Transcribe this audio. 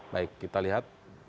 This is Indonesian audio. baik kita lihat